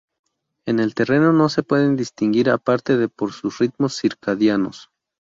En el terreno no se pueden distinguir aparte de por sus ritmos circadianos.